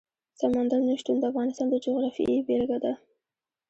سمندر نه شتون د افغانستان د جغرافیې بېلګه ده.